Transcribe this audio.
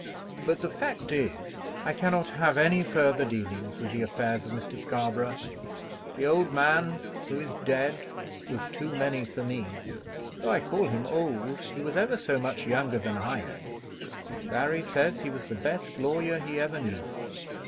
But the fact is, I cannot have any farther dealings with the affairs of Mr. Scarborough. The old man who is dead was too many for me. Though I call him old, he was ever so much younger than I am. Barry says he was the best lawyer he ever knew.